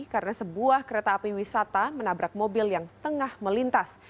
karena sebuah kereta api wisata menabrak mobil yang tengah melintas